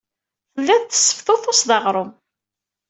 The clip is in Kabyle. Telliḍ tesseftutuseḍ aɣrum.